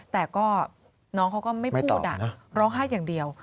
แต่ก็น้องเขาก็ไม่พูดร้องไห้อย่างเดียว